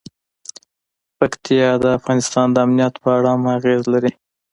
پکتیا د افغانستان د امنیت په اړه هم اغېز لري.